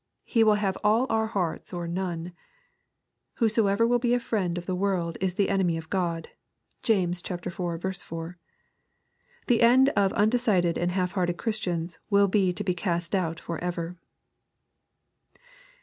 He will have all our hearts or none. *' Whosoever will be a friend of the world is the enemy of God." (James iv. 4) The end of undecided and half hearted Christians will be to be cast out forever.